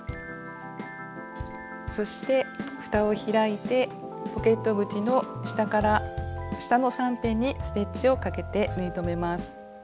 そしてふたを開いてポケット口の下の３辺にステッチをかけて縫い留めます。